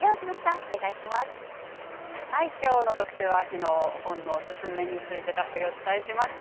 きょうの特集は秋の本のすすめについてたっぷりとお伝えしました。